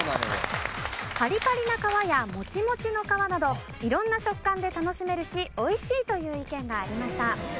パリパリな皮やモチモチの皮など色んな食感で楽しめるし美味しいという意見がありました。